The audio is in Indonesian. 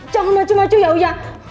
jangan macu macu ya uya